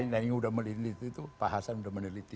nah yang udah meneliti tuh pak hasan udah meneliti